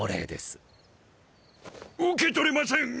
受け取れません！